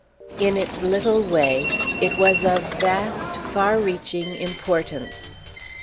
In its little way it was of vast, far reaching importance.